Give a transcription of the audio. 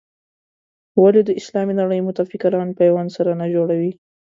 ولې د اسلامي نړۍ متفکران پیوند سره نه جوړوي.